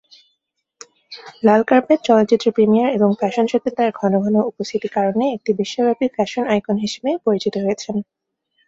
লাল carpet, চলচ্চিত্র premiere এবং fashion শোতে তার ঘনঘন উপস্থিতি কারণে একটি বিশ্বব্যাপী ফ্যাশন আইকন হিসেবে পরিচিত হয়েছেন।